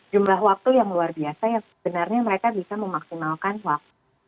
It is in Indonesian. jumlah waktu yang luar biasa yang sebenarnya mereka bisa memaksimalkan waktu